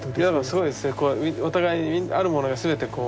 すごいですね。お互いにあるものが全てこう力を分け与えあって。